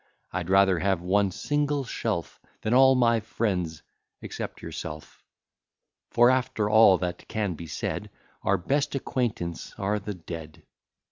I'd rather have one single shelf Than all my friends, except yourself; For, after all that can be said, Our best acquaintance are the dead.